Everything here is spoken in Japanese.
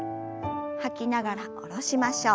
吐きながら下ろしましょう。